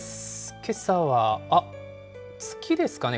けさは、あっ、月ですかね？